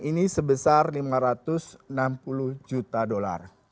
ini sebesar lima ratus enam puluh juta dolar